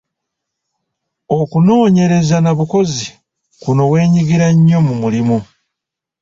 Okunoonyereza nnabukozi kuno weenyigira nnyo mu mulimu.